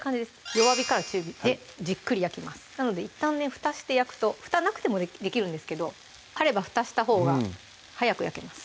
弱火から中火でじっくり焼きますなのでいったんふたして焼くとふたなくてもできるんですけどあればふたしたほうが早く焼けます